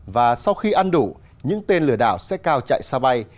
và sau khi ăn đủ những tên lừa đảo sẽ cao chạy xa bay